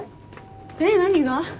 えっ何が？